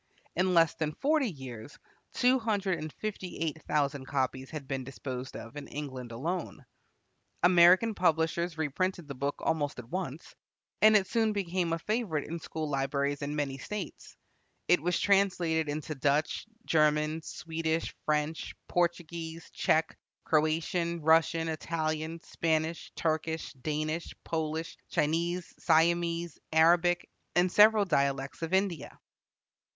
In less than forty years two hundred and fifty eight thousand copies have been disposed of in England alone. American publishers reprinted the book almost at once, and it soon became a favorite in school libraries in many States. It was translated into Dutch, German, Swedish, French, Portuguese, Czech, Croatian, Russian, Italian, Spanish, Turkish, Danish, Polish, Chinese, Siamese, Arabic, and several dialects of India.